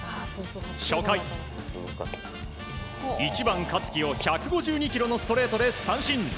初回、１番、香月を１５２キロのストレートで三振。